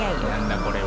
これは。